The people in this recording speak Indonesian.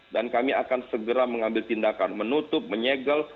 dan kami akan segera mengambil tindakan menutup menyegel